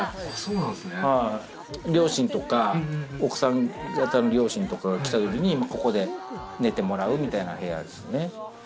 両親とか奥さんの両親が来た時にここで寝てもらうみたいな部屋ですね。